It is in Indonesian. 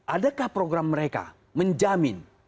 adakah program mereka menjamin